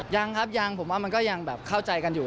ยังครับยังผมว่ามันก็ยังแบบเข้าใจกันอยู่